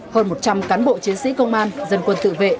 hơn một trăm linh cán bộ chiến sĩ công an dân quân tự vệ